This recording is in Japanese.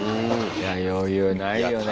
いや余裕ないよね。